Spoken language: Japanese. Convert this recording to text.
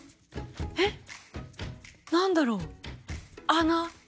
えっ何だろう？穴？